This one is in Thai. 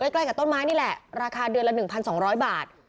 ใกล้กับต้นไม้นี่แหละราคาเดือนละ๑๒๐๐บาท